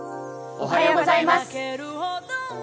おはようございます。